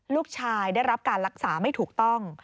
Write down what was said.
ได้รับการรักษาไม่ถูกต้อง